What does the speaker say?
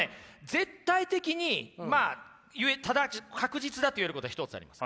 絶対的に確実だと言えることが一つあります。